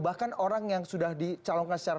bahkan orang yang sudah dicalonkan secara